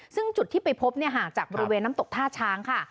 ซึ่งจุดที่ไปพบห่างจากบริเวณน้ำตกท่าช้างค่ะ